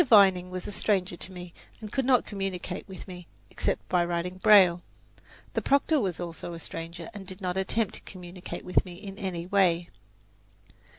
Vining was a stranger to me, and could not communicate with me, except by writing braille. The proctor was also a stranger, and did not attempt to communicate with me in any way.